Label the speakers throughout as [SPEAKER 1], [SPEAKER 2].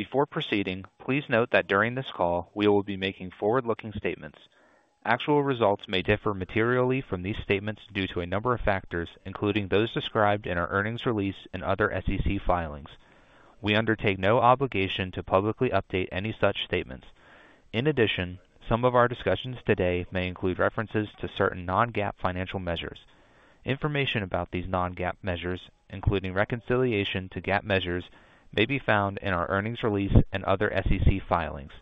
[SPEAKER 1] Before proceeding, please note that during this call, we will be making forward-looking statements. Actual results may differ materially from these statements due to a number of factors, including those described in our earnings release and other SEC filings. We undertake no obligation to publicly update any such statements. In addition, some of our discussions today may include references to certain non-GAAP financial measures. Information about these non-GAAP measures, including reconciliation to GAAP measures, may be found in our earnings release and other SEC filings.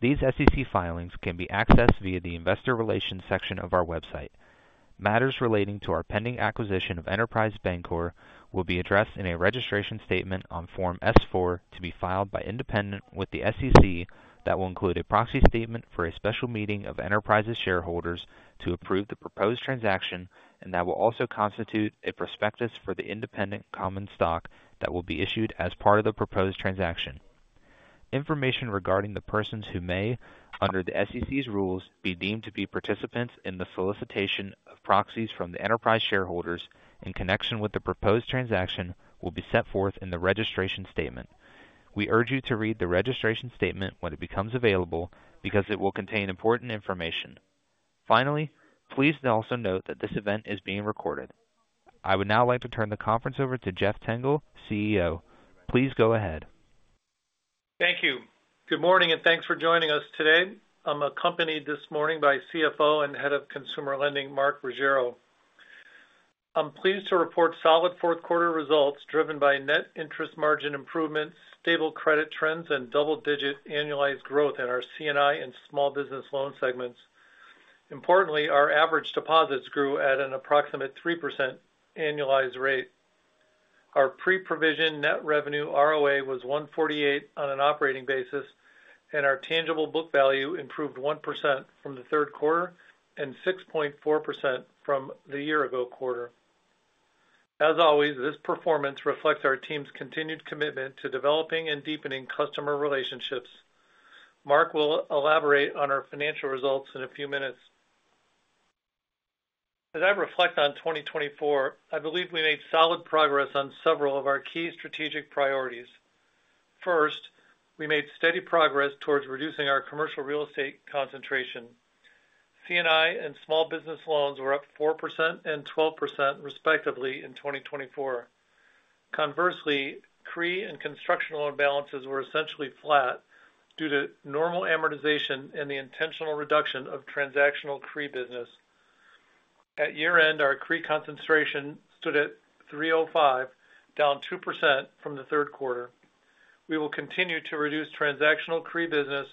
[SPEAKER 1] These SEC filings can be accessed via the Investor Relations section of our website. Matters relating to our pending acquisition of Enterprise Bancorp will be addressed in a registration statement on Form S-4 to be filed by Independent with the SEC. That will include a proxy statement for a special meeting of Enterprise's shareholders to approve the proposed transaction, and that will also constitute a prospectus for the Independent common stock that will be issued as part of the proposed transaction. Information regarding the persons who may, under the SEC's rules, be deemed to be participants in the solicitation of proxies from the Enterprise shareholders in connection with the proposed transaction will be set forth in the registration statement. We urge you to read the registration statement when it becomes available because it will contain important information. Finally, please also note that this event is being recorded. I would now like to turn the conference over to Jeff Tengel, CEO. Please go ahead.
[SPEAKER 2] Thank you. Good morning and thanks for joining us today. I'm accompanied this morning by CFO and head of consumer lending, Mark Ruggiero. I'm pleased to report solid fourth-quarter results driven by net interest margin improvements, stable credit trends, and double-digit annualized growth in our C&I and small business loan segments. Importantly, our average deposits grew at an approximate 3% annualized rate. Our pre-provision net revenue ROA was 1.48% on an operating basis, and our tangible book value improved 1% from the third quarter and 6.4% from the year-ago quarter. As always, this performance reflects our team's continued commitment to developing and deepening customer relationships. Mark will elaborate on our financial results in a few minutes. As I reflect on 2024, I believe we made solid progress on several of our key strategic priorities. First, we made steady progress towards reducing our commercial real estate concentration. C&I and small business loans were up 4% and 12% respectively in 2024. Conversely, CRE and construction loan balances were essentially flat due to normal amortization and the intentional reduction of transactional CRE business. At year-end, our CRE concentration stood at 305% down 2% from the third quarter. We will continue to reduce transactional CRE business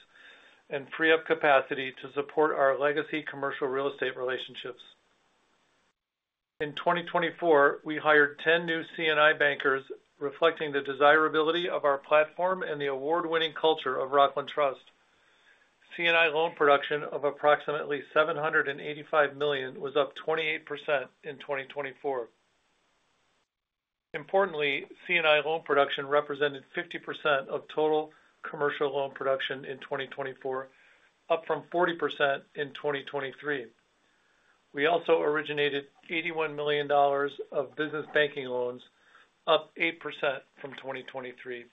[SPEAKER 2] and free up capacity to support our legacy commercial real estate relationships. In 2024, we hired 10 new C&I bankers, reflecting the desirability of our platform and the award-winning culture of Rockland Trust. C&I loan production of approximately $785 million was up 28% in 2024. Importantly, C&I loan production represented 50% of total commercial loan production in 2024, up from 40% in 2023. We also originated $81 million of business banking loans, up 8% from 2023.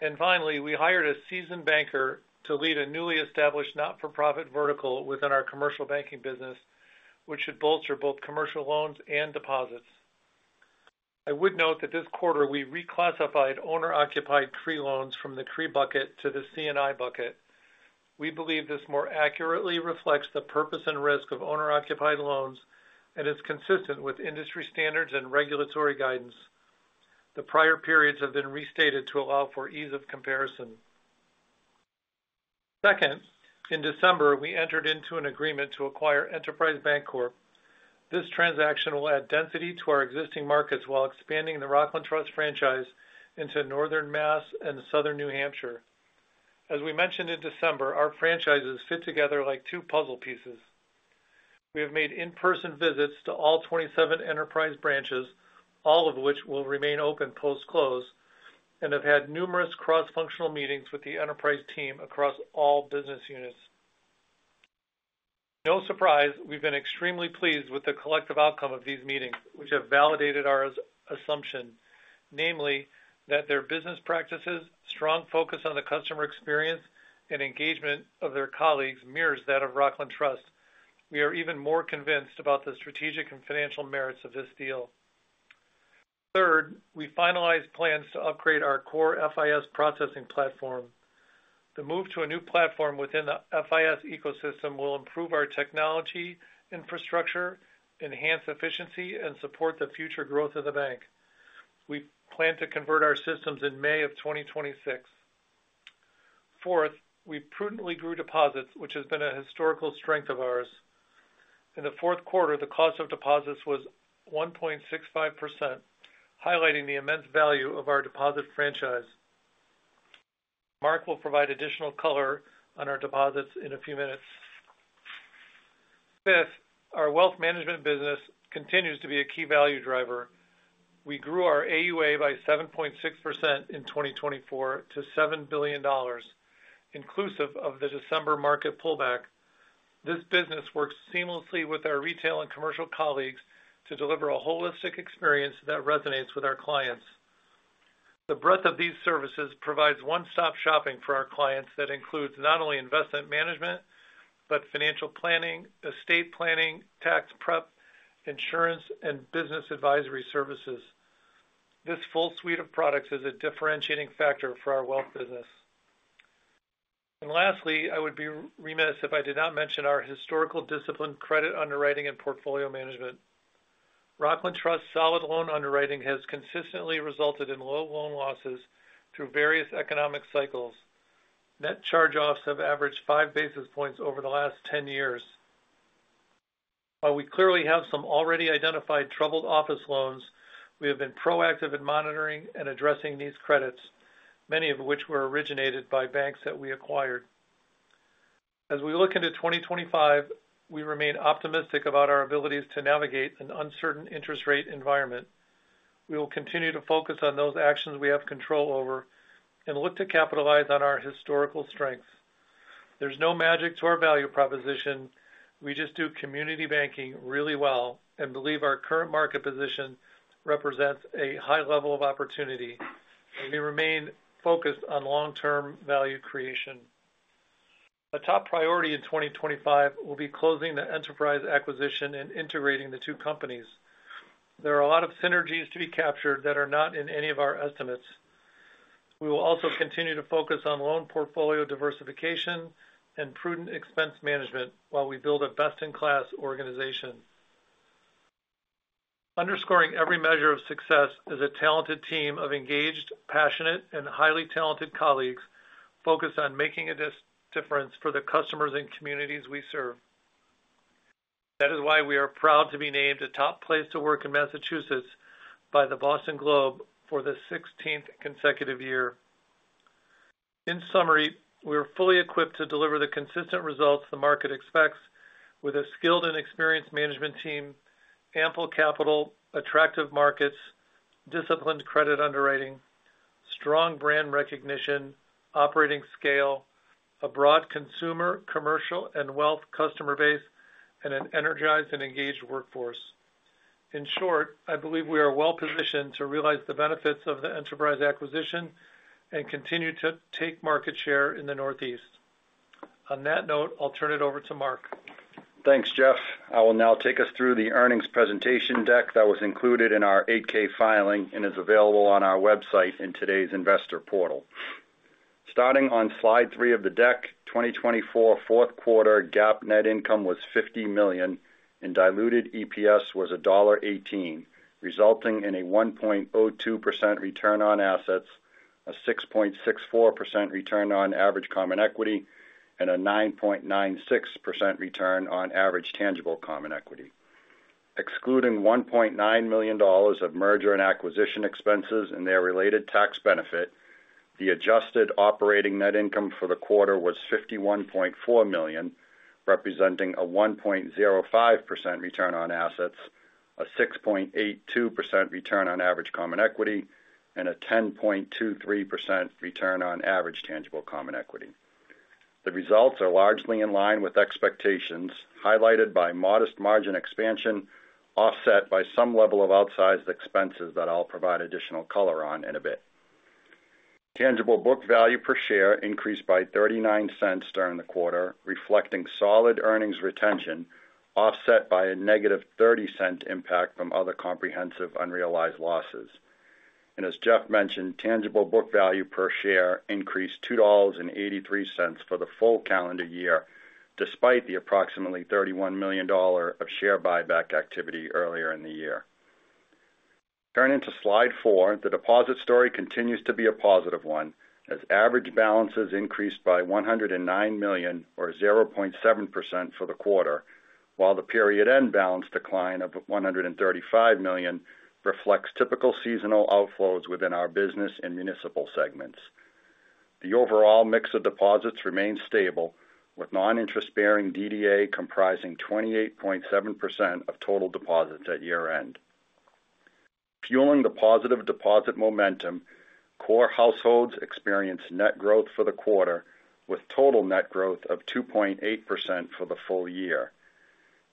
[SPEAKER 2] And finally, we hired a seasoned banker to lead a newly established not-for-profit vertical within our commercial banking business, which should bolster both commercial loans and deposits. I would note that this quarter we reclassified owner-occupied CRE loans from the CRE bucket to the C&I bucket. We believe this more accurately reflects the purpose and risk of owner-occupied loans and is consistent with industry standards and regulatory guidance. The prior periods have been restated to allow for ease of comparison. Second, in December, we entered into an agreement to acquire Enterprise Bancorp. This transaction will add density to our existing markets while expanding the Rockland Trust franchise into northern Mass and southern New Hampshire. As we mentioned in December, our franchises fit together like two puzzle pieces. We have made in-person visits to all 27 Enterprise branches, all of which will remain open post-close, and have had numerous cross-functional meetings with the Enterprise team across all business units. No surprise, we've been extremely pleased with the collective outcome of these meetings, which have validated our assumption, namely that their business practices, strong focus on the customer experience, and engagement of their colleagues mirrors that of Rockland Trust. We are even more convinced about the strategic and financial merits of this deal. Third, we finalized plans to upgrade our core FIS processing platform. The move to a new platform within the FIS ecosystem will improve our technology infrastructure, enhance efficiency, and support the future growth of the bank. We plan to convert our systems in May of 2026. Fourth, we prudently grew deposits, which has been a historical strength of ours. In the fourth quarter, the cost of deposits was 1.65%, highlighting the immense value of our deposit franchise. Mark will provide additional color on our deposits in a few minutes. Fifth, our wealth management business continues to be a key value driver. We grew our AUA by 7.6% in 2024 to $7 billion, inclusive of the December market pullback. This business works seamlessly with our retail and commercial colleagues to deliver a holistic experience that resonates with our clients. The breadth of these services provides one-stop shopping for our clients that includes not only investment management but financial planning, estate planning, tax prep, insurance, and business advisory services. This full suite of products is a differentiating factor for our wealth business. And lastly, I would be remiss if I did not mention our historical discipline: credit underwriting and portfolio management. Rockland Trust's solid loan underwriting has consistently resulted in low loan losses through various economic cycles. Net charge-offs have averaged five basis points over the last 10 years. While we clearly have some already identified troubled office loans, we have been proactive in monitoring and addressing these credits, many of which were originated by banks that we acquired. As we look into 2025, we remain optimistic about our abilities to navigate an uncertain interest rate environment. We will continue to focus on those actions we have control over and look to capitalize on our historical strengths. There's no magic to our value proposition. We just do community banking really well and believe our current market position represents a high level of opportunity. We remain focused on long-term value creation. A top priority in 2025 will be closing the Enterprise acquisition and integrating the two companies. There are a lot of synergies to be captured that are not in any of our estimates. We will also continue to focus on loan portfolio diversification and prudent expense management while we build a best-in-class organization. Underscoring every measure of success is a talented team of engaged, passionate, and highly talented colleagues focused on making a difference for the customers and communities we serve. That is why we are proud to be named a top place to work in Massachusetts by the Boston Globe for the 16th consecutive year. In summary, we are fully equipped to deliver the consistent results the market expects with a skilled and experienced management team, ample capital, attractive markets, disciplined credit underwriting, strong brand recognition, operating scale, a broad consumer, commercial, and wealth customer base, and an energized and engaged workforce. In short, I believe we are well positioned to realize the benefits of the Enterprise acquisition and continue to take market share in the Northeast. On that note, I'll turn it over to Mark.
[SPEAKER 3] Thanks, Jeff. I will now take us through the earnings presentation deck that was included in our 8-K filing and is available on our website in today's investor portal. Starting on slide three of the deck, 2024 fourth quarter GAAP net income was $50 million, and diluted EPS was $1.18, resulting in a 1.02% return on assets, a 6.64% return on average common equity, and a 9.96% return on average tangible common equity. Excluding $1.9 million of merger and acquisition expenses and their related tax benefit, the adjusted operating net income for the quarter was $51.4 million, representing a 1.05% return on assets, a 6.82% return on average common equity, and a 10.23% return on average tangible common equity. The results are largely in line with expectations, highlighted by modest margin expansion offset by some level of outsized expenses that I'll provide additional color on in a bit. Tangible book value per share increased by $0.39 during the quarter, reflecting solid earnings retention offset by a negative $0.30 impact from other comprehensive unrealized losses. And as Jeff mentioned, tangible book value per share increased $2.83 for the full calendar year, despite the approximately $31 million of share buyback activity earlier in the year. Turning to slide four, the deposit story continues to be a positive one as average balances increased by $109 million, or 0.7% for the quarter, while the period-end balance decline of $135 million reflects typical seasonal outflows within our business and municipal segments. The overall mix of deposits remains stable, with non-interest-bearing DDA comprising 28.7% of total deposits at year-end. Fueling the positive deposit momentum, core households experienced net growth for the quarter, with total net growth of 2.8% for the full year.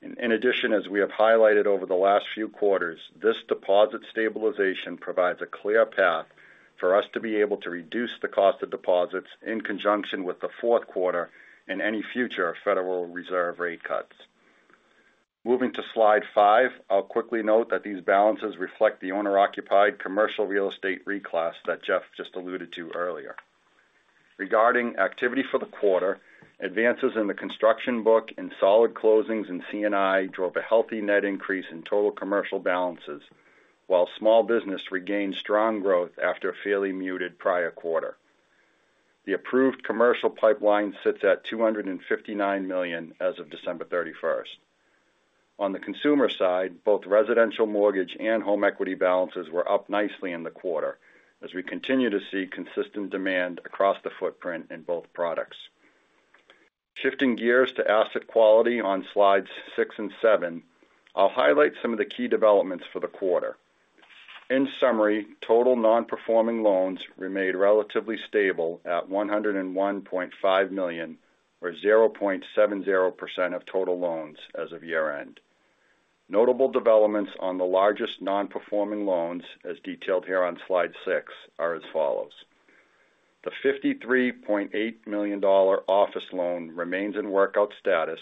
[SPEAKER 3] In addition, as we have highlighted over the last few quarters, this deposit stabilization provides a clear path for us to be able to reduce the cost of deposits in conjunction with the fourth quarter and any future Federal Reserve rate cuts. Moving to slide five, I'll quickly note that these balances reflect the owner-occupied commercial real estate reclass that Jeff just alluded to earlier. Regarding activity for the quarter, advances in the construction book and solid closings in C&I drove a healthy net increase in total commercial balances, while small business regained strong growth after a fairly muted prior quarter. The approved commercial pipeline sits at $259 million as of December 31st. On the consumer side, both residential mortgage and home equity balances were up nicely in the quarter, as we continue to see consistent demand across the footprint in both products. Shifting gears to asset quality on slides six and seven, I'll highlight some of the key developments for the quarter. In summary, total non-performing loans remained relatively stable at $101.5 million, or 0.70% of total loans as of year-end. Notable developments on the largest non-performing loans, as detailed here on slide six, are as follows. The $53.8 million office loan remains in workout status,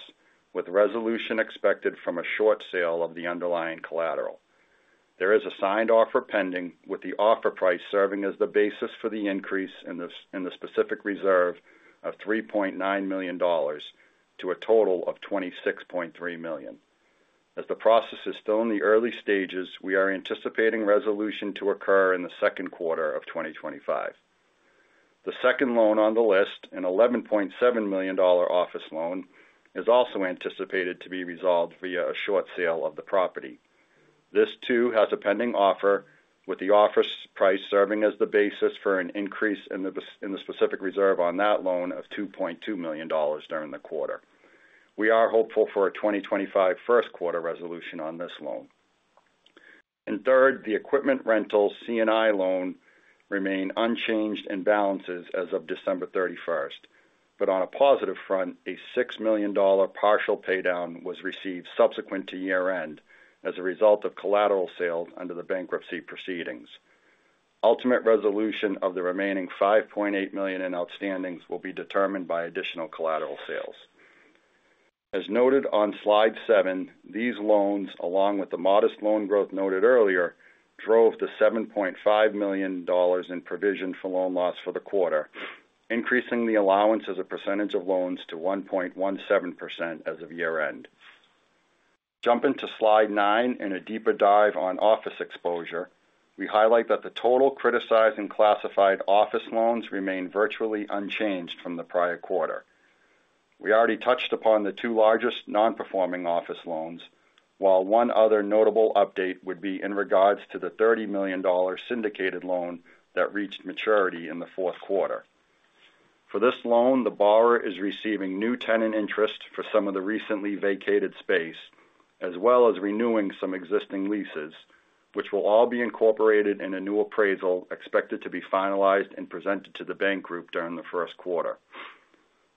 [SPEAKER 3] with resolution expected from a short sale of the underlying collateral. There is a signed offer pending, with the offer price serving as the basis for the increase in the specific reserve of $3.9 million to a total of $26.3 million. As the process is still in the early stages, we are anticipating resolution to occur in the second quarter of 2025. The second loan on the list, an $11.7 million office loan, is also anticipated to be resolved via a short sale of the property. This, too, has a pending offer, with the offer price serving as the basis for an increase in the specific reserve on that loan of $2.2 million during the quarter. We are hopeful for a 2025 first quarter resolution on this loan. And third, the equipment rental C&I loan remained unchanged in balances as of December 31st. But on a positive front, a $6 million partial paydown was received subsequent to year-end as a result of collateral sales under the bankruptcy proceedings. Ultimate resolution of the remaining $5.8 million in outstandings will be determined by additional collateral sales. As noted on slide seven, these loans, along with the modest loan growth noted earlier, drove the $7.5 million in provision for loan loss for the quarter, increasing the allowance as a percentage of loans to 1.17% as of year-end. Jumping to slide nine and a deeper dive on office exposure, we highlight that the total criticized and classified office loans remain virtually unchanged from the prior quarter. We already touched upon the two largest non-performing office loans, while one other notable update would be in regards to the $30 million syndicated loan that reached maturity in the fourth quarter. For this loan, the borrower is receiving new tenant interest for some of the recently vacated space, as well as renewing some existing leases, which will all be incorporated in a new appraisal expected to be finalized and presented to the bank group during the first quarter.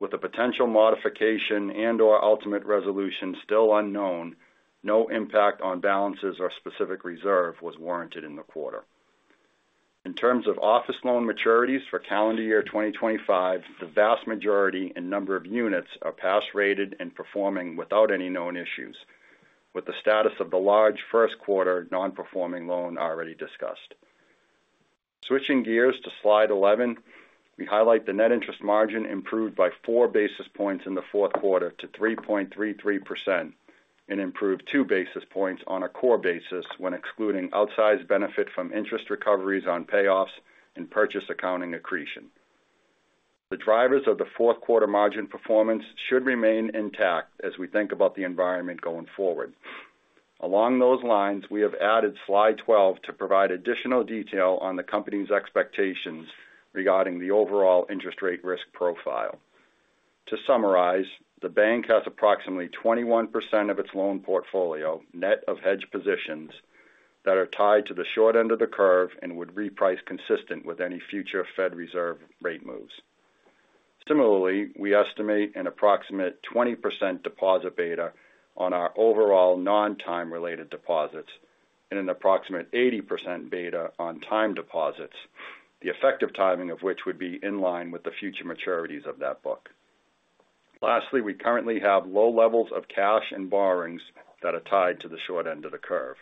[SPEAKER 3] With a potential modification and/or ultimate resolution still unknown, no impact on balances or specific reserve was warranted in the quarter. In terms of office loan maturities for calendar year 2025, the vast majority and number of units are pass rated and performing without any known issues, with the status of the large first quarter non-performing loan already discussed. Switching gears to slide 11, we highlight the net interest margin improved by four basis points in the fourth quarter to 3.33% and improved two basis points on a core basis when excluding outsized benefit from interest recoveries on payoffs and purchase accounting accretion. The drivers of the fourth quarter margin performance should remain intact as we think about the environment going forward. Along those lines, we have added slide 12 to provide additional detail on the company's expectations regarding the overall interest rate risk profile. To summarize, the bank has approximately 21% of its loan portfolio net of hedge positions that are tied to the short end of the curve and would reprice consistent with any future Fed Reserve rate moves. Similarly, we estimate an approximate 20% deposit beta on our overall non-time-related deposits and an approximate 80% beta on time deposits, the effective timing of which would be in line with the future maturities of that book. Lastly, we currently have low levels of cash and borrowings that are tied to the short end of the curve.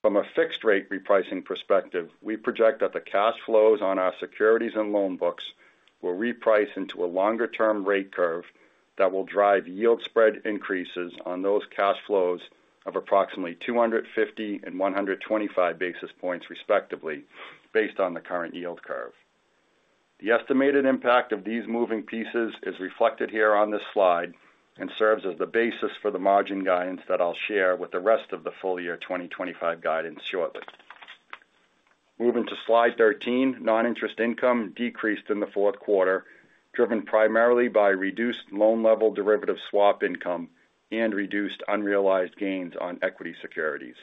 [SPEAKER 3] From a fixed rate repricing perspective, we project that the cash flows on our securities and loan books will reprice into a longer-term rate curve that will drive yield spread increases on those cash flows of approximately 250 and 125 basis points respectively, based on the current yield curve. The estimated impact of these moving pieces is reflected here on this slide and serves as the basis for the margin guidance that I'll share with the rest of the full year 2025 guidance shortly. Moving to slide 13, non-interest income decreased in the fourth quarter, driven primarily by reduced loan-level derivative swap income and reduced unrealized gains on equity securities.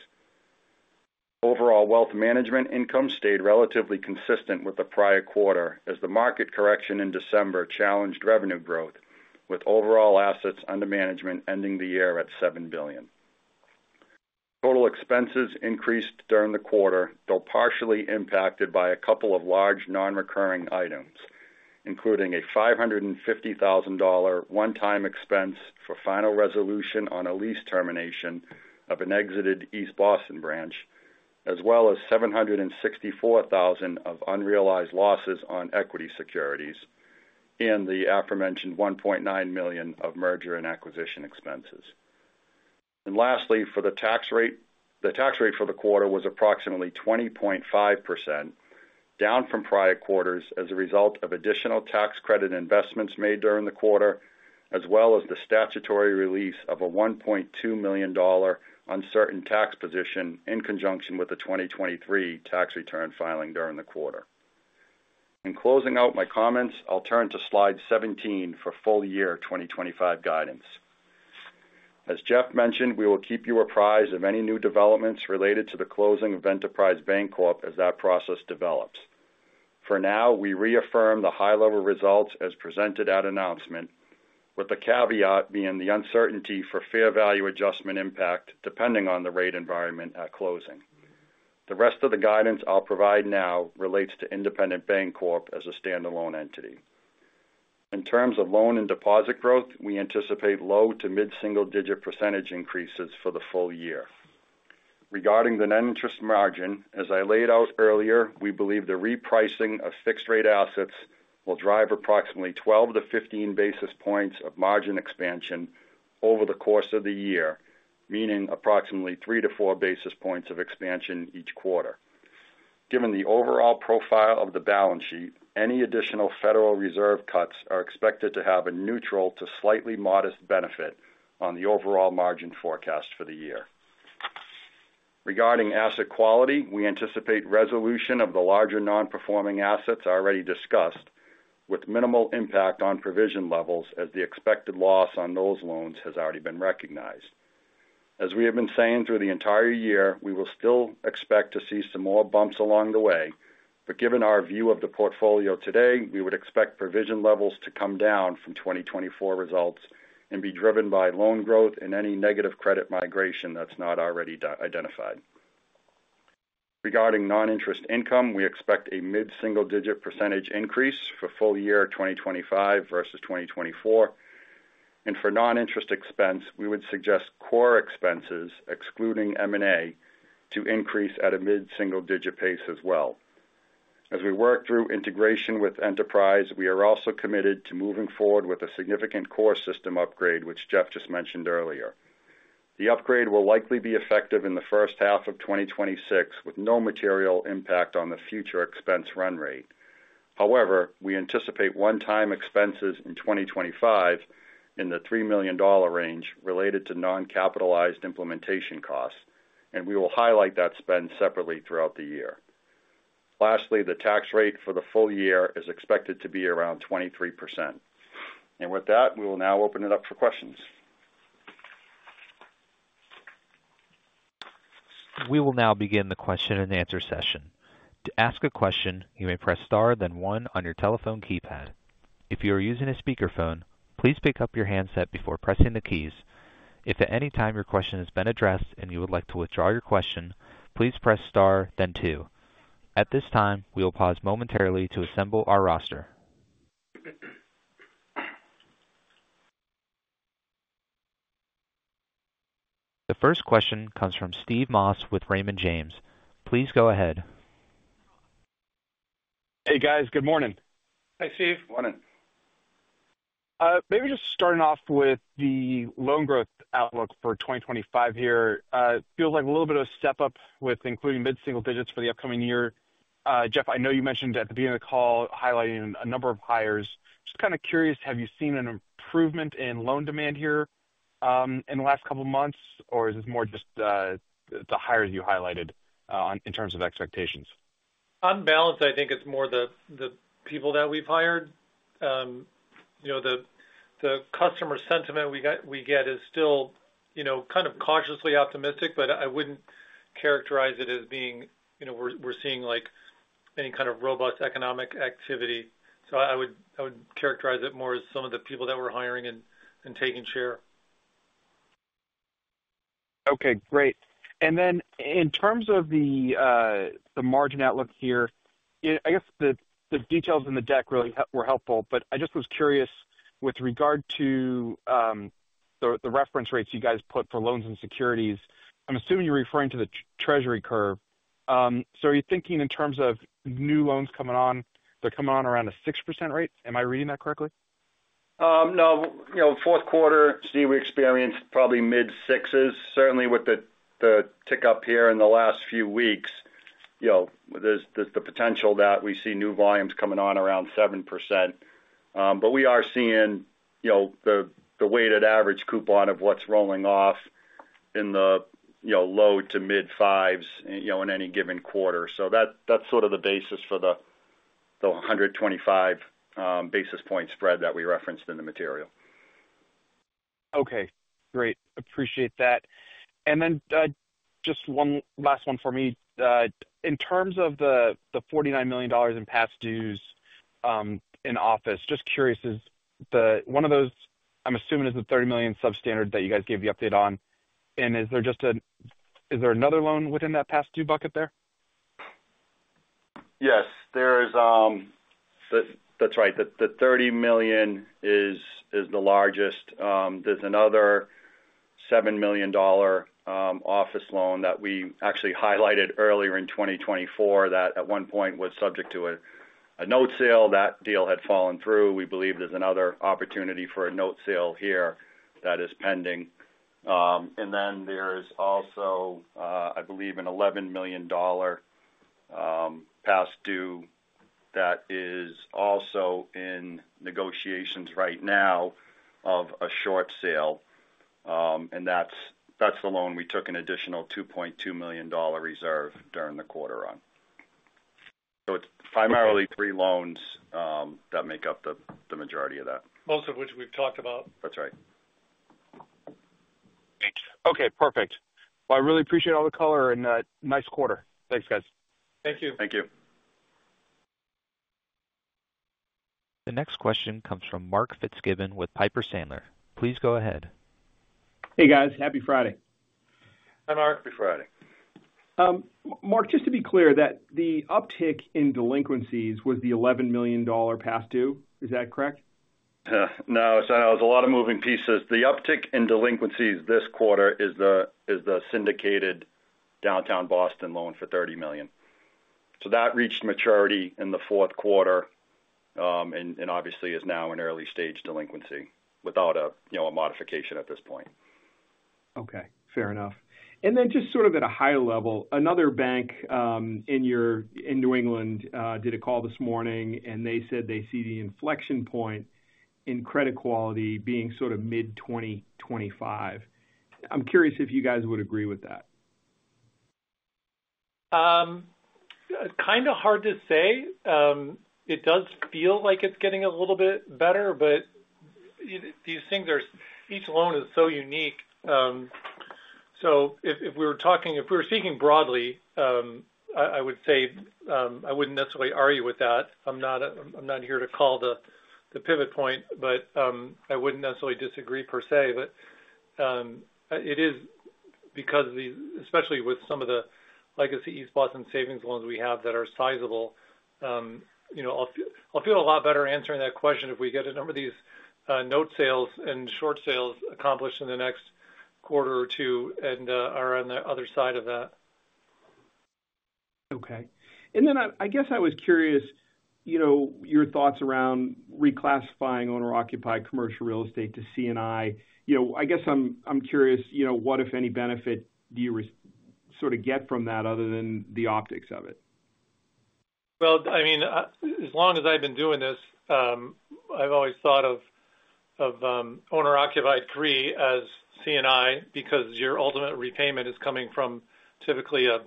[SPEAKER 3] Overall wealth management income stayed relatively consistent with the prior quarter as the market correction in December challenged revenue growth, with overall assets under management ending the year at $7 billion. Total expenses increased during the quarter, though partially impacted by a couple of large non-recurring items, including a $550,000 one-time expense for final resolution on a lease termination of an exited East Boston branch, as well as $764,000 of unrealized losses on equity securities and the aforementioned $1.9 million of merger and acquisition expenses. Lastly, for the tax rate, the tax rate for the quarter was approximately 20.5%, down from prior quarters as a result of additional tax credit investments made during the quarter, as well as the statutory release of a $1.2 million uncertain tax position in conjunction with the 2023 tax return filing during the quarter. In closing out my comments, I'll turn to slide 17 for full year 2025 guidance. As Jeff mentioned, we will keep you apprised of any new developments related to the closing of Enterprise Bancorp as that process develops. For now, we reaffirm the high-level results as presented at announcement, with the caveat being the uncertainty for fair value adjustment impact depending on the rate environment at closing. The rest of the guidance I'll provide now relates to Independent Bank Corp as a standalone entity. In terms of loan and deposit growth, we anticipate low- to mid-single-digit percentage increases for the full year. Regarding the net interest margin, as I laid out earlier, we believe the repricing of fixed-rate assets will drive approximately 12-15 basis points of margin expansion over the course of the year, meaning approximately 3-4 basis points of expansion each quarter. Given the overall profile of the balance sheet, any additional Federal Reserve cuts are expected to have a neutral to slightly modest benefit on the overall margin forecast for the year. Regarding asset quality, we anticipate resolution of the larger non-performing assets already discussed, with minimal impact on provision levels as the expected loss on those loans has already been recognized. As we have been saying through the entire year, we will still expect to see some more bumps along the way, but given our view of the portfolio today, we would expect provision levels to come down from 2024 results and be driven by loan growth and any negative credit migration that's not already identified. Regarding non-interest income, we expect a mid-single-digit % increase for full year 2025 versus 2024, and for non-interest expense, we would suggest core expenses, excluding M&A, to increase at a mid-single-digit pace as well. As we work through integration with Enterprise, we are also committed to moving forward with a significant core system upgrade, which Jeff just mentioned earlier. The upgrade will likely be effective in the first half of 2026, with no material impact on the future expense run rate. However, we anticipate one-time expenses in 2025 in the $3 million range related to non-capitalized implementation costs, and we will highlight that spend separately throughout the year. Lastly, the tax rate for the full year is expected to be around 23%. And with that, we will now open it up for questions.
[SPEAKER 1] We will now begin the question and answer session. To ask a question, you may press star, then one on your telephone keypad. If you are using a speakerphone, please pick up your handset before pressing the keys. If at any time your question has been addressed and you would like to withdraw your question, please press star, then two. At this time, we will pause momentarily to assemble our roster. The first question comes from Steve Moss with Raymond James. Please go ahead.
[SPEAKER 4] Hey, guys. Good morning.
[SPEAKER 2] Hey, Steve. Morning.
[SPEAKER 4] Maybe just starting off with the loan growth outlook for 2025 here. It feels like a little bit of a step up with including mid-single digits for the upcoming year. Jeff, I know you mentioned at the beginning of the call highlighting a number of hires. Just kind of curious, have you seen an improvement in loan demand here in the last couple of months, or is this more just the hires you highlighted in terms of expectations?
[SPEAKER 5] On balance, I think it's more the people that we've hired. The customer sentiment we get is still kind of cautiously optimistic, but I wouldn't characterize it as being we're seeing any kind of robust economic activity. So I would characterize it more as some of the people that we're hiring and taking share. Okay. Great. Then in terms of the margin outlook here, I guess the details in the deck really were helpful, but I just was curious with regard to the reference rates you guys put for loans and securities. I'm assuming you're referring to the Treasury curve. So are you thinking in terms of new loans coming on, they're coming on around a 6% rate? Am I reading that correctly?
[SPEAKER 3] No. Fourth quarter, Steve, we experienced probably mid-sixes. Certainly, with the tick up here in the last few weeks, there's the potential that we see new volumes coming on around 7%. But we are seeing the weighted average coupon of what's rolling off in the low to mid-fives in any given quarter. So that's sort of the basis for the 125 basis points spread that we referenced in the material.
[SPEAKER 4] Okay. Great. Appreciate that. Then just one last one for me. In terms of the $49 million in past dues in office, just curious, is one of those, I'm assuming, is the $30 million substandard that you guys gave the update on? And is there another loan within that past due bucket there?
[SPEAKER 3] Yes. That's right. The $30 million is the largest. There's another $7 million office loan that we actually highlighted earlier in 2024 that at one point was subject to a note sale. That deal had fallen through. We believe there's another opportunity for a note sale here that is pending, and then there is also, I believe, an $11 million past due that is also in negotiations right now of a short sale. And that's the loan we took an additional $2.2 million reserve during the quarter on. So it's primarily three loans that make up the majority of that.
[SPEAKER 2] Most of which we've talked about.
[SPEAKER 3] That's right.
[SPEAKER 4] Okay. Perfect. Well, I really appreciate all the color and nice quarter. Thanks, guys.
[SPEAKER 2] Thank you. Thank you.
[SPEAKER 1] The next question comes from Mark Fitzgibbon with Piper Sandler. Please go ahead.
[SPEAKER 6] Hey, guys. Happy Friday.
[SPEAKER 2] Happy Friday. Mark,
[SPEAKER 6] just to be clear, the uptick in delinquencies was the $11 million past due. Is that correct?
[SPEAKER 3] No. So there was a lot of moving pieces. The uptick in delinquencies this quarter is the syndicated downtown Boston loan for $30 million. So that reached maturity in the fourth quarter and obviously is now an early-stage delinquency without a modification at this point.
[SPEAKER 6] Okay. Fair enough. And then just sort of at a higher level, another bank in New England did a call this morning, and they said they see the inflection point in credit quality being sort of mid-2025. I'm curious if you guys would agree with that.
[SPEAKER 2] Kind of hard to say. It does feel like it's getting a little bit better, but these things are, each loan is so unique. So if we were speaking broadly, I would say I wouldn't necessarily argue with that. I'm not here to call the pivot point, but I wouldn't necessarily disagree per se. But it is because, especially with some of the legacy East Boston Savings loans we have that are sizable, I'll feel a lot better answering that question if we get a number of these note sales and short sales accomplished in the next quarter or two and are on the other side of that.
[SPEAKER 6] Okay. I guess I was curious your thoughts around reclassifying owner-occupied commercial real estate to C&I. I guess I'm curious, what, if any, benefit do you sort of get from that other than the optics of it?
[SPEAKER 2] Well, I mean, as long as I've been doing this, I've always thought of owner-occupied CRE as C&I because your ultimate repayment is coming from typically a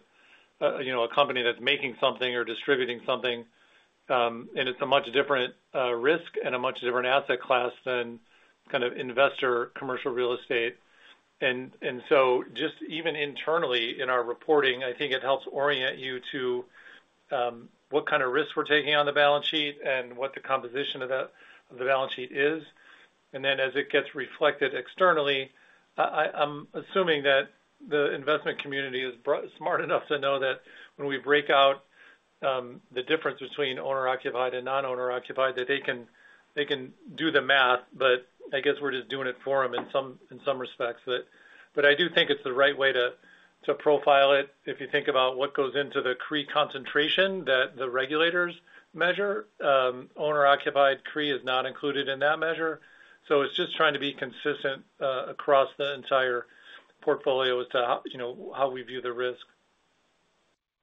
[SPEAKER 2] company that's making something or distributing something. And it's a much different risk and a much different asset class than kind of investor commercial real estate. And so just even internally in our reporting, I think it helps orient you to what kind of risks we're taking on the balance sheet and what the composition of the balance sheet is. And then as it gets reflected externally, I'm assuming that the investment community is smart enough to know that when we break out the difference between owner-occupied and non-owner-occupied, that they can do the math, but I guess we're just doing it for them in some respects. But I do think it's the right way to profile it. If you think about what goes into the CRE concentration that the regulators measure, owner-occupied CRE is not included in that measure. So it's just trying to be consistent across the entire portfolio as to how we view the risk.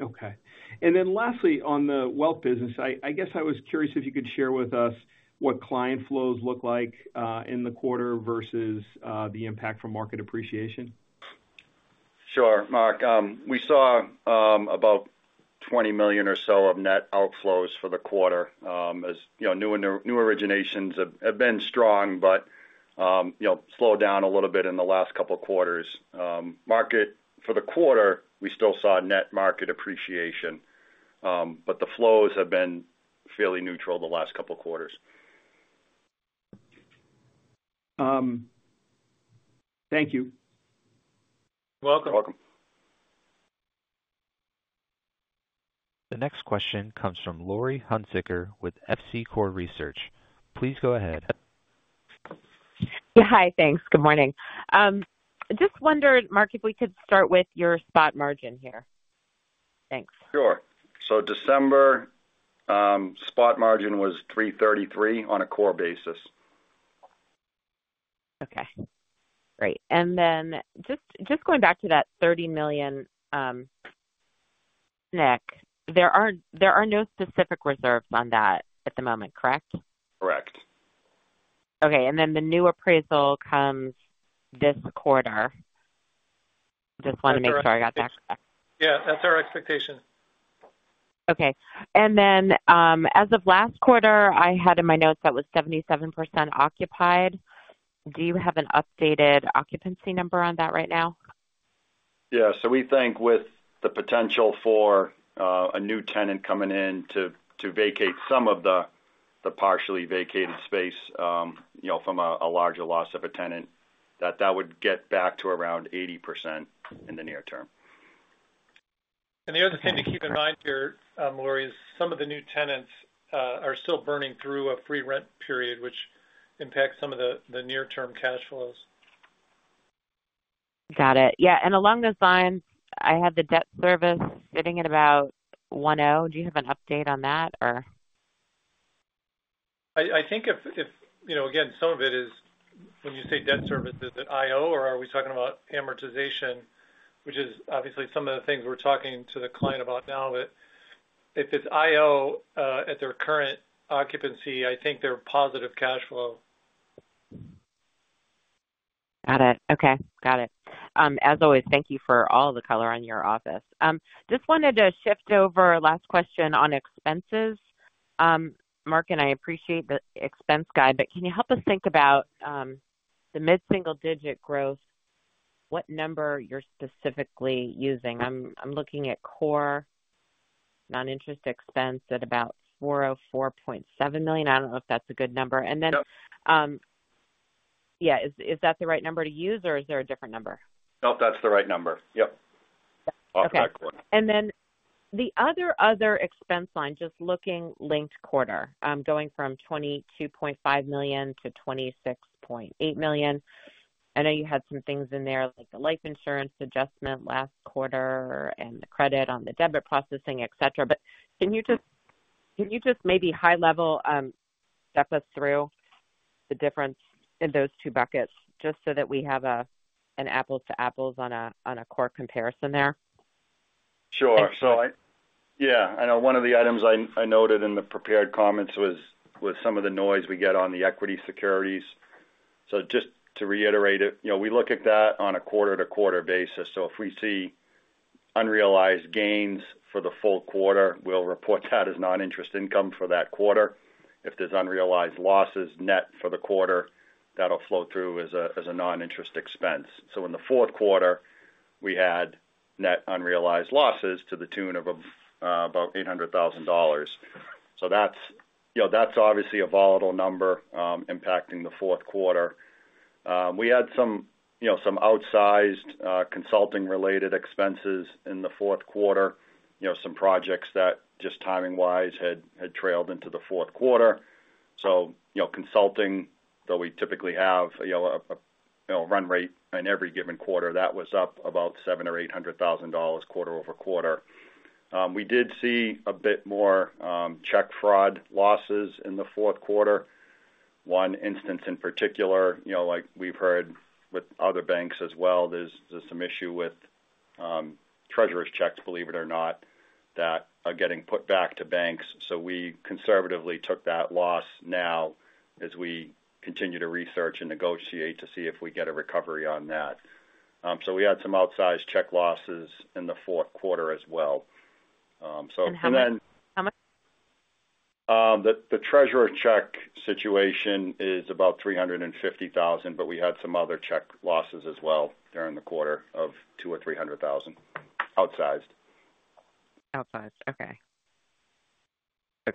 [SPEAKER 6] Okay. And then lastly, on the wealth business, I guess I was curious if you could share with us what client flows look like in the quarter versus the impact from market appreciation.
[SPEAKER 3] Sure. Mark, we saw about $20 million or so of net outflows for the quarter. New originations have been strong, but slowed down a little bit in the last couple of quarters. For the quarter, we still saw net market appreciation, but the flows have been fairly neutral the last couple of quarters.
[SPEAKER 6] Thank you.
[SPEAKER 3] You're welcome.
[SPEAKER 2] You're welcome.
[SPEAKER 1] The next question comes from Lori Hunsicker with Seaport Research Partners. Please go ahead.
[SPEAKER 7] Hi. Thanks. Good morning. Just wondered, Mark, if we could start with your spot margin here. Thanks.
[SPEAKER 3] Sure. So December spot margin was 333 on a core basis.
[SPEAKER 7] Okay. Great. And then just going back to that $30 million loan, there are no specific reserves on that at the moment, correct?
[SPEAKER 3] Correct.
[SPEAKER 7] Okay. And then the new appraisal comes this quarter. Just want to make sure I got that correct.
[SPEAKER 2] Yeah. That's our expectation.
[SPEAKER 7] Okay. And then as of last quarter, I had in my notes that was 77% occupied. Do you have an updated occupancy number on that right now?
[SPEAKER 3] Yeah. So we think with the potential for a new tenant coming in to vacate some of the partially vacated space from a larger loss of a tenant, that that would get back to around 80% in the near term.
[SPEAKER 2] And the other thing to keep in mind here, Lori, is some of the new tenants are still burning through a free rent period, which impacts some of the near-term cash flows.
[SPEAKER 7] Got it. Yeah. And along those lines, I have the debt service sitting at about 10. Do you have an update on that, or?
[SPEAKER 2] I think, again, some of it is when you say debt service, is it IO, or are we talking about amortization, which is obviously some of the things we're talking to the client about now? But if it's IO at their current occupancy, I think they're positive cash flow.
[SPEAKER 7] Got it. Okay. Got it. As always, thank you for all the color on your office. Just wanted to shift over last question on expenses. Mark and I appreciate the expense guide, but can you help us think about the mid-single digit growth? What number you're specifically using? I'm looking at core non-interest expense at about $404.7 million. I don't know if that's a good number. And then, yeah, is that the right number to use, or is there a different number?
[SPEAKER 3] Nope. That's the right number.
[SPEAKER 2] Yep.
[SPEAKER 7] Off that quarter. Okay. And then the other expense line, just looking linked quarter, going from $22.5 million to $26.8 million. I know you had some things in there like the life insurance adjustment last quarter and the credit on the debit processing, etc. But can you just maybe high-level step us through the difference in those two buckets just so that we have an apples-to-apples on a core comparison there?
[SPEAKER 3] Sure. Yeah. I know one of the items I noted in the prepared comments was some of the noise we get on the equity securities. So just to reiterate it, we look at that on a quarter-to-quarter basis. So if we see unrealized gains for the full quarter, we'll report that as non-interest income for that quarter. If there's unrealized losses net for the quarter, that'll flow through as a non-interest expense. So in the fourth quarter, we had net unrealized losses to the tune of about $800,000. So that's obviously a volatile number impacting the fourth quarter. We had some outsized consulting-related expenses in the fourth quarter, some projects that just timing-wise had trailed into the fourth quarter. So consulting, though we typically have a run rate in every given quarter, that was up about $700,000-$800,000 quarter over quarter. We did see a bit more check fraud losses in the fourth quarter. One instance in particular, like we've heard with other banks as well, there's some issue with treasurer's checks, believe it or not, that are getting put back to banks. So we conservatively took that loss now as we continue to research and negotiate to see if we get a recovery on that. So we had some outsized check losses in the fourth quarter as well.
[SPEAKER 7] And how much?
[SPEAKER 3] The treasurer's check situation is about $350,000, but we had some other check losses as well during the quarter of $200,000-$300,000 outsized.
[SPEAKER 7] Okay.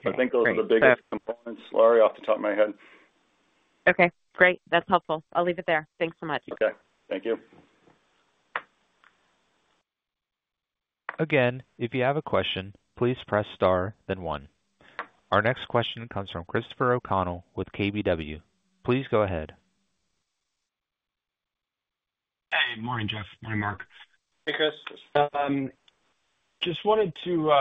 [SPEAKER 3] So I think those are the biggest components, Lori, off the top of my head.
[SPEAKER 7] Okay. Great. That's helpful. I'll leave it there. Thanks so much.
[SPEAKER 3] Okay. Thank you.
[SPEAKER 1] Again, if you have a question, please press star, then one. Our next question comes from Christopher O'Connell with KBW. Please go ahead.
[SPEAKER 8] Hey. Morning, Jeff. Morning, Mark.
[SPEAKER 2] Hey, Chris.
[SPEAKER 8] Just wanted to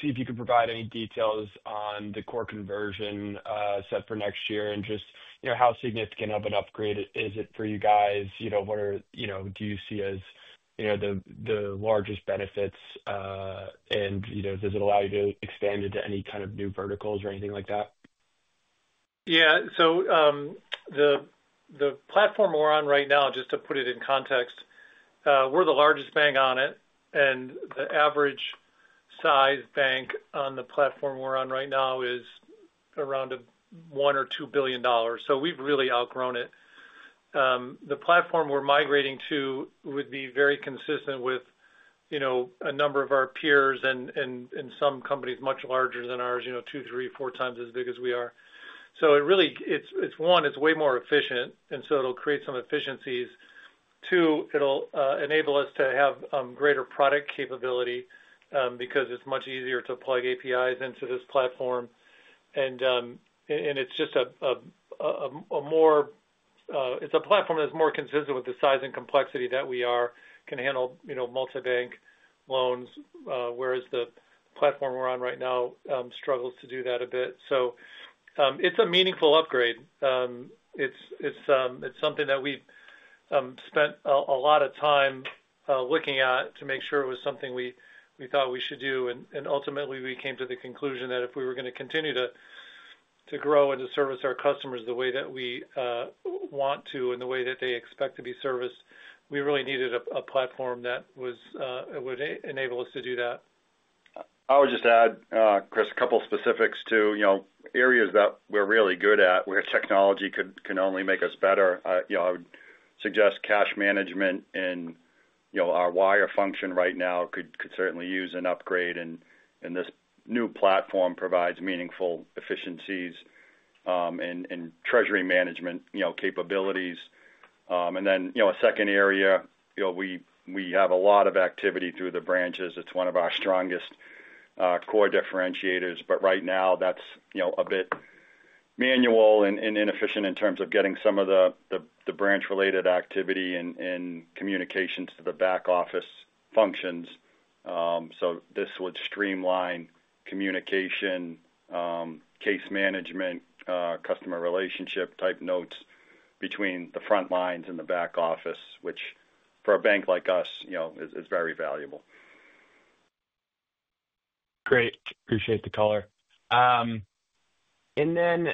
[SPEAKER 8] see if you could provide any details on the core conversion set for next year and just how significant of an upgrade is it for you guys? What do you see as the largest benefits? And does it allow you to expand into any kind of new verticals or anything like that?
[SPEAKER 2] Yeah. So the platform we're on right now, just to put it in context, we're the largest bank on it. The average size bank on the platform we're on right now is around $1-$2 billion. So we've really outgrown it. The platform we're migrating to would be very consistent with a number of our peers and some companies much larger than ours, two, three, four times as big as we are. So one, it's way more efficient, and so it'll create some efficiencies. Two, it'll enable us to have greater product capability because it's much easier to plug APIs into this platform. And it's just a more it's a platform that's more consistent with the size and complexity that we are, can handle multi-bank loans, whereas the platform we're on right now struggles to do that a bit. So it's a meaningful upgrade. It's something that we spent a lot of time looking at to make sure it was something we thought we should do. And ultimately, we came to the conclusion that if we were going to continue to grow and to service our customers the way that we want to and the way that they expect to be serviced, we really needed a platform that would enable us to do that.
[SPEAKER 3] I would just add, Chris, a couple of specifics to areas that we're really good at where technology can only make us better. I would suggest cash management in our wire function right now could certainly use an upgrade. And this new platform provides meaningful efficiencies in treasury management capabilities. And then a second area, we have a lot of activity through the branches. It's one of our strongest core differentiators. But right now, that's a bit manual and inefficient in terms of getting some of the branch-related activity and communications to the back office functions. This would streamline communication, case management, customer relationship-type notes between the front lines and the back office, which for a bank like us is very valuable.
[SPEAKER 8] Great. Appreciate the color. And then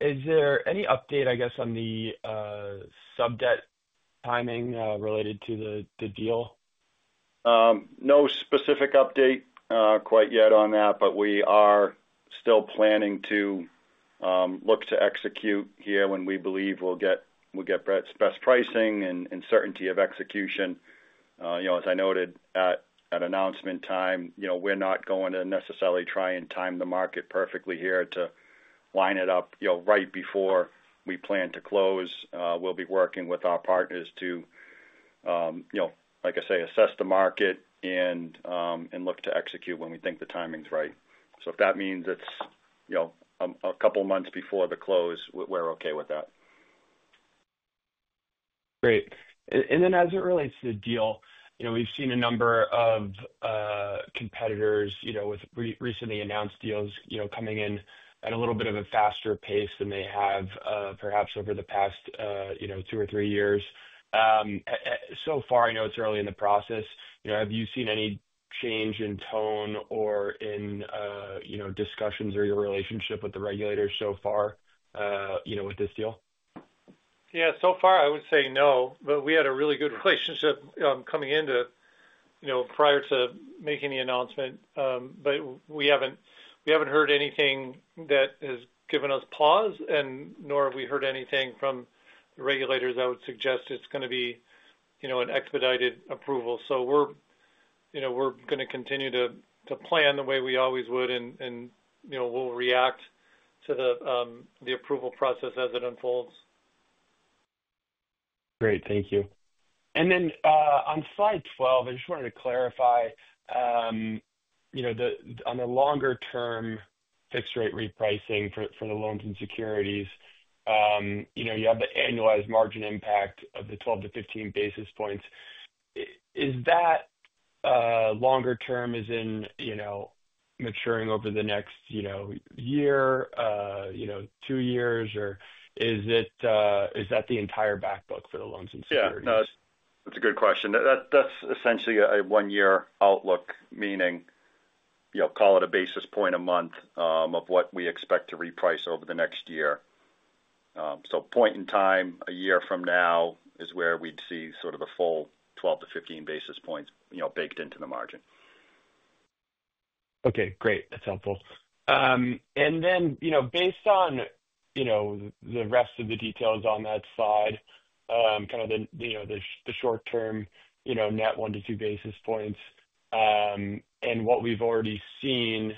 [SPEAKER 8] is there any update, I guess, on the sub-debt timing related to the deal?
[SPEAKER 3] No specific update quite yet on that, but we are still planning to look to execute here when we believe we'll get best pricing and certainty of execution. As I noted at announcement time, we're not going to necessarily try and time the market perfectly here to line it up right before we plan to close. We'll be working with our partners to, like I say, assess the market and look to execute when we think the timing's right. So if that means it's a couple of months before the close, we're okay with that.
[SPEAKER 8] Great. And then as it relates to the deal, we've seen a number of competitors with recently announced deals coming in at a little bit of a faster pace than they have perhaps over the past two or three years. So far, I know it's early in the process. Have you seen any change in tone or in discussions or your relationship with the regulators so far with this deal?
[SPEAKER 2] Yeah. So far, I would say no. But we had a really good relationship coming into it prior to making the announcement. But we haven't heard anything that has given us pause, and nor have we heard anything from the regulators that would suggest it's going to be an expedited approval. So we're going to continue to plan the way we always would, and we'll react to the approval process as it unfolds.
[SPEAKER 8] Great. Thank you. And then on slide 12, I just wanted to clarify on the longer-term fixed-rate repricing for the loans and securities. You have the annualized margin impact of the 12-15 basis points. Is that longer-term, as in maturing over the next year, two years, or is that the entire backbook for the loans and securities?
[SPEAKER 3] Yeah. That's a good question. That's essentially a one-year outlook, meaning call it a basis point a month of what we expect to reprice over the next year. So point in time a year from now is where we'd see sort of the full 12-15 basis points baked into the margin.
[SPEAKER 8] Okay. Great. That's helpful. Then, based on the rest of the details on that slide, kind of the short-term net one to two basis points and what we've already seen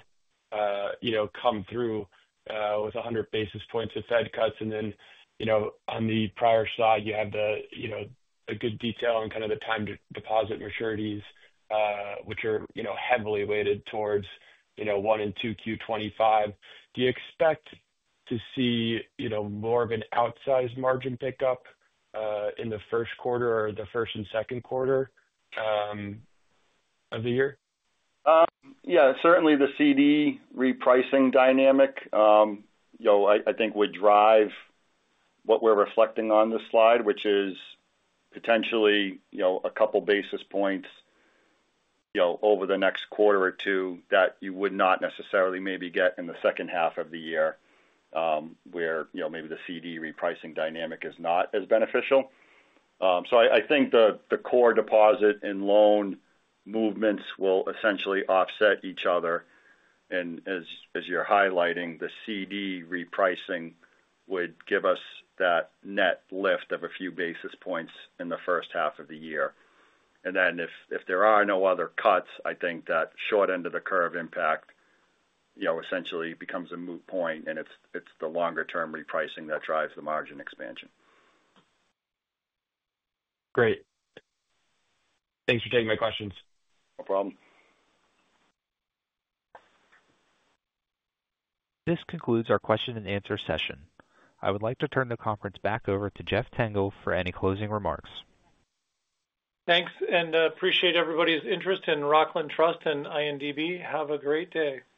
[SPEAKER 8] come through with 100 basis points of Fed cuts, and then on the prior slide, you have the good detail and kind of the time to deposit maturities, which are heavily weighted towards one and two Q25. Do you expect to see more of an outsized margin pickup in the first quarter or the first and second quarter of the year?
[SPEAKER 3] Yeah. Certainly, the CD repricing dynamic, I think, would drive what we're reflecting on this slide, which is potentially a couple of basis points over the next quarter or two that you would not necessarily maybe get in the second half of the year where maybe the CD repricing dynamic is not as beneficial. So I think the core deposit and loan movements will essentially offset each other. And as you're highlighting, the CD repricing would give us that net lift of a few basis points in the first half of the year. And then if there are no other cuts, I think that short end of the curve impact essentially becomes a moot point. And it's the longer-term repricing that drives the margin expansion.
[SPEAKER 8] Great. Thanks for taking my questions.
[SPEAKER 3] No problem.
[SPEAKER 1] This concludes our question-and-answer session. I would like to turn the conference back over to Jeff Tengel for any closing remarks.
[SPEAKER 2] Thanks. And appreciate everybody's interest in Rockland Trust and INDB. Have a great day.